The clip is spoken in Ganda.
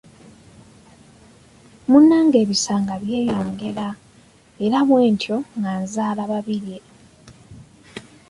Munnange ebisa nga byeyongera era bwentyo nga nzaala Babirye.